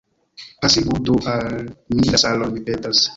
Pasigu do al mi la salon, mi petas.